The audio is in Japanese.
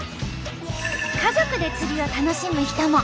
家族で釣りを楽しむ人も。